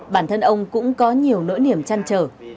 bản thân ông cũng có nhiều nỗi niềm chăn trở